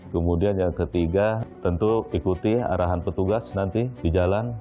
kemudian yang ketiga tentu ikuti arahan petugas nanti di jalan